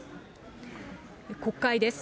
国会です。